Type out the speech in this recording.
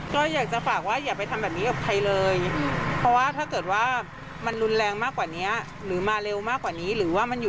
ก็อยากจะฝากว่าอย่าไปทำแบบนี้กับใครเลย